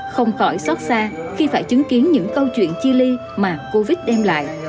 không khỏi xót xa khi phải chứng kiến những câu chuyện chia ly mà covid đem lại